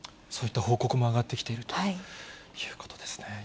そういった報告も上がってきているということですね。